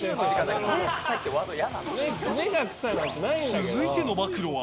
続いての暴露は。